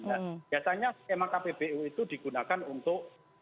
dan biasanya skema kpbu itu digunakan untuk